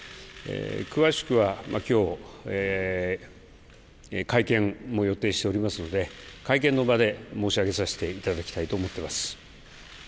詳しくはきょう、会見も予定しておりますので、会見の場で申し上げさせていただきたいと思ってます。